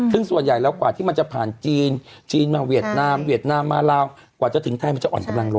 ซึ่งส่วนใหญ่แล้วกว่าที่มันจะผ่านจีนจีนมาเวียดนามเวียดนามมาลาวกว่าจะถึงไทยมันจะอ่อนกำลังลง